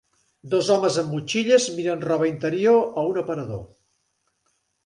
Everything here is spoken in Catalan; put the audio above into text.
Dos homes amb motxilles miren roba interior a un aparador.